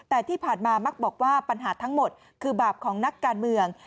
แต่ที่ผ่านมามักบอกว่าปัญหาทั้งหมดคือบาปของนักการเมือง